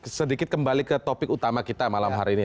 oke sedikit kembali ke topik utama kita malam hari ini